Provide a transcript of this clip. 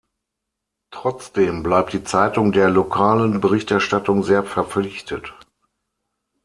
Trotzdem bleibt die Zeitung der lokalen Berichterstattung sehr verpflichtet.